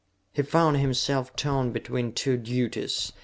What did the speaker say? He found himself torn between two duties.